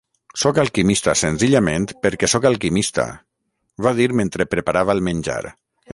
"Soc alquimista senzillament perquè soc alquimista", va dir mentre preparava el menjar.